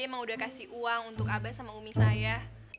memang udah kasih uang untuk abang sama umi saya